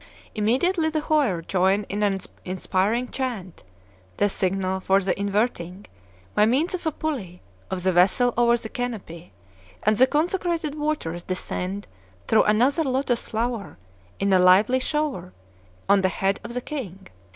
Immediately the choir join in an inspiring chant, the signal for the inverting, by means of a pulley, of the vessel over the canopy; and the consecrated waters descend through another lotos flower, in a lively shower, on the head of the king.